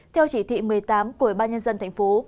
theo chỉ thị một mươi tám của bà nhân dân tp